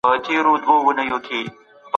اسلام د تورو تیارو څخه د وهمېشهو یوازینۍ لاره ده.